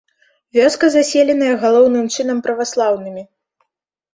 Вёска заселеная галоўным чынам праваслаўнымі.